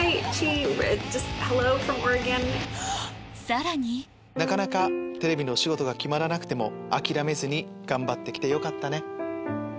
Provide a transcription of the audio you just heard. さらに「なかなかテレビのお仕事が決まらなくても諦めずに頑張って来てよかったね」。